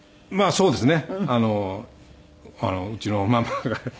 そうですよね。